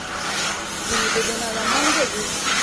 ځينې دودونه له منځه ځي.